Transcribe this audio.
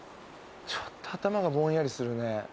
ちょっと頭がぼんやりするね。